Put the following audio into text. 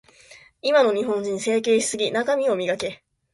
今の日本人、整形しすぎ。中身を磨け。